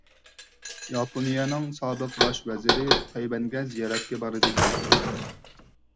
ياپونىيەنىڭ سابىق باش ۋەزىرى تەيۋەنگە زىيارەتكە بارىدىكەن.